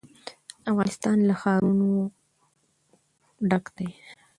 افغانستان له ښارونه ډک دی.